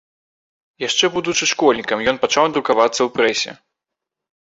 Яшчэ будучы школьнікам, ён пачаў друкавацца ў прэсе.